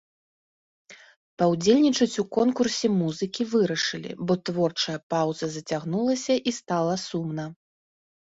Паўдзельнічаць у конкурсе музыкі вырашылі, бо творчая паўза зацягнулася і стала сумна.